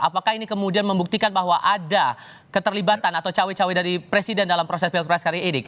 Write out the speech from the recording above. apakah ini kemudian membuktikan bahwa ada keterlibatan atau cawe cawe dari presiden dalam proses pilpres kali ini